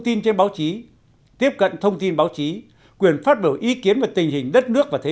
tin trên báo chí tiếp cận thông tin báo chí quyền phát biểu ý kiến về tình hình đất nước và thế